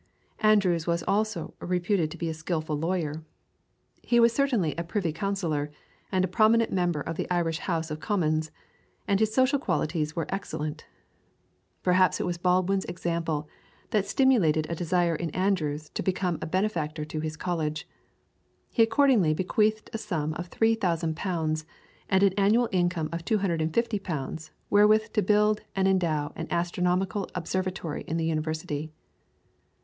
Andrews was also reputed to be a skilful lawyer. He was certainly a Privy Councillor and a prominent member of the Irish House of Commons, and his social qualities were excellent. Perhaps it was Baldwin's example that stimulated a desire in Andrews to become a benefactor to his college. He accordingly bequeathed a sum of 3,000 pounds and an annual income of 250 pounds wherewith to build and endow an astronomical Observatory in the University.